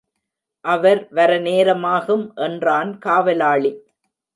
அவர் வர நேரமாகும் என்றான் காவலாளி.